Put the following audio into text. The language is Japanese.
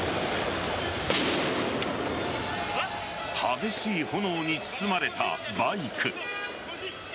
激しい炎に包まれたバイク。